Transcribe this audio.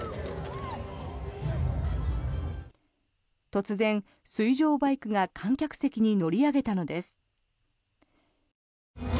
突然、水上バイクが観客席に乗り上げたのです。